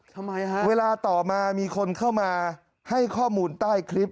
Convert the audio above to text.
ทำไมฮะเวลาต่อมามีคนเข้ามาให้ข้อมูลใต้คลิป